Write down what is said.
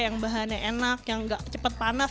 yang bahannya enak yang gak cepat panas